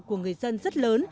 của người dân rất lớn